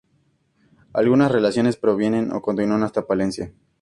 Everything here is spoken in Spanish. Algunas relaciones provienen o continúan hasta Palencia.